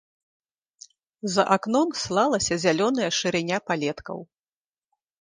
За акном слалася зялёная шырыня палеткаў.